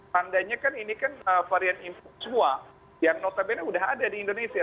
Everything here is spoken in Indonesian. tandanya kan ini kan varian impor semua yang notabene sudah ada di indonesia